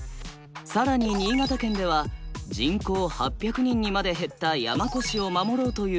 更に新潟県では人口８００人にまで減った山古志を守ろうというＤＡＯが発足。